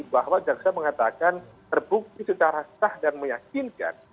bahwa jaksa mengatakan terbukti secara sah dan meyakinkan